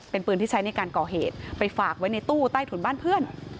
เป็นปืนที่ใช้ในการก่อเหตุไปฝากไว้ในตู้ใต้ถุนบ้านเพื่อน